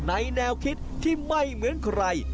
แนวคิดที่ไม่เหมือนใคร